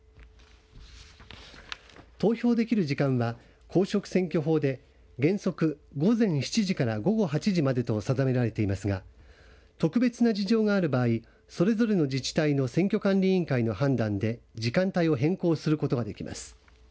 投票できる時間は公職選挙法で原則午前７時から午後８時までと定められていますが特別な事情がある場合それぞれの自治体の選挙管理委員会の判断で時間帯を変更することができます。